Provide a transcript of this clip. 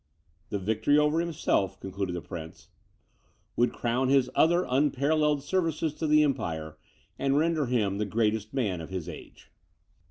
This victory over himself," concluded the prince, "would crown his other unparalleled services to the empire, and render him the greatest man of his age."